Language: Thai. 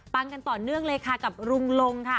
ฟังกันต่อเนื่องเลยค่ะกับรุงรงค์ค่ะ